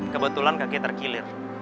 kebetulan kakek terkilir